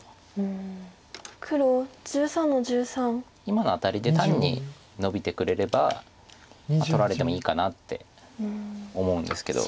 今のアタリで単にノビてくれれば取られてもいいかなって思うんですけど。